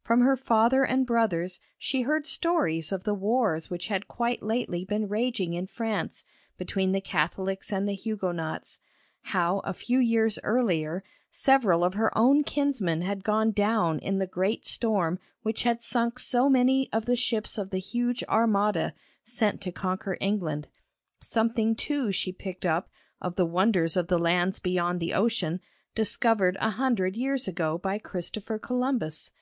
From her father and brothers she heard stories of the wars which had quite lately been raging in France between the Catholics and Huguenots; how a few years earlier several of her own kinsmen had gone down in the great storm which had sunk so many of the ships of the huge Armada, sent to conquer England. Something, too, she picked up of the wonders of the lands beyond the ocean, discovered a hundred years ago by Christopher Columbus.